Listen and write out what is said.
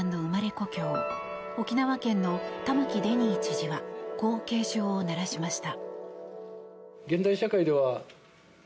故郷沖縄県の玉城デニー知事はこう警鐘を鳴らしました。